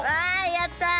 やった！